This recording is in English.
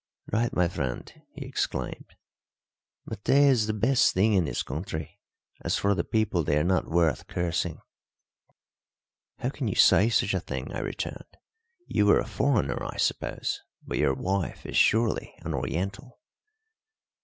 "Right, my friend," he exclaimed. "Maté is the best thing in this country. As for the people, they are not worth cursing." "How can you say such a thing," I returned. "You are a foreigner, I suppose, but your wife is surely an Oriental."